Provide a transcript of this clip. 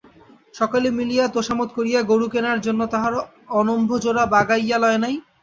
সকলে মিলিয়া তোষামোদ করিয়া গোরু কেনার জন্য তাহার অনম্ভজোড়া বাগাইয়া লয় নাই?